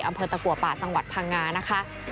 อำเภอตะกัวป่าจังหวัดพังงานะคะ